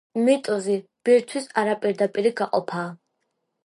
მიტოზი ბირთვის არაპირდაპირი გაყოფაა.